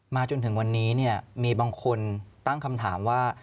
จนถึงวันนี้มีบางคนตั้งคำถามว่า